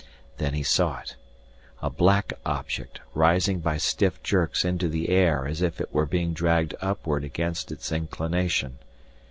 Then he saw it a black object rising by stiff jerks into the air as if it were being dragged upward against its inclination.